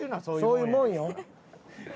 そういうもんよ。